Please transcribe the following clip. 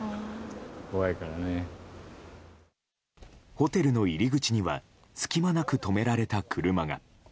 ホテルの入り口には隙間なく止められた車が。